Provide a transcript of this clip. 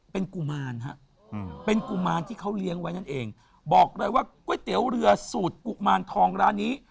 เป็นกุมารฮะเป็นกุมารที่เขาเลี้ยงไว้นั่นเองบอกเลยว่าก๋วยเตี๋ยวเรือสูตรกุมารทองร้านนี้